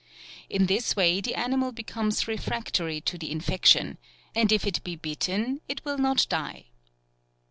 In this way the animal becomes refractory to the infection, and if it be bitten it will not die.